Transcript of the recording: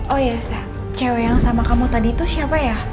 oh iya saya cewek yang sama kamu tadi itu siapa ya